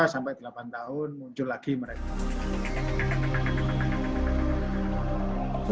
lima sampai delapan tahun muncul lagi mereka